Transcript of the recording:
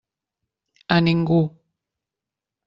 A ningú.